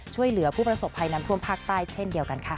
ช่วยเหลือผู้ประสบภัยน้ำท่วมภาคใต้เช่นเดียวกันค่ะ